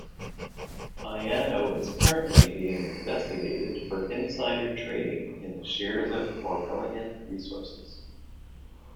Ianno is currently being investigated for insider trading in the shares of Aurelian resources.